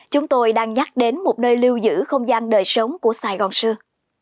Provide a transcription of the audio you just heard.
chúng tôi đang nhắc đến một nơi lưu giữ không gian đời sống của sài gòn xưa